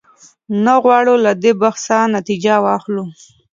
نه غواړو له دې بحثه نتیجه واخلو.